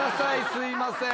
すいません。